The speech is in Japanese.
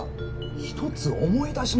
一つ思い出しました。